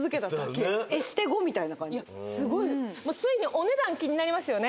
お値段気になりますよね。